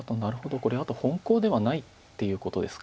これあと本コウではないっていうことですか。